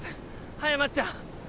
早まっちゃ。